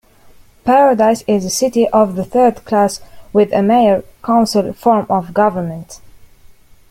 Paradise is a city of the third class with a mayor-council form of government.